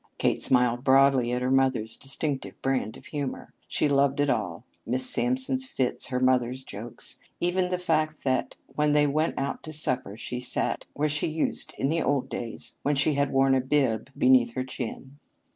Kate smiled broadly at her mother's distinctive brand of humor. She loved it all Miss Sampson's fits, her mother's jokes; even the fact that when they went out to supper she sat where she used in the old days when she had worn a bib beneath her chin.